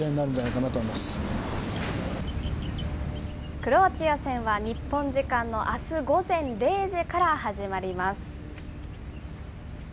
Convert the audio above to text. クロアチア戦は、日本時間のあす午前０時から始まります。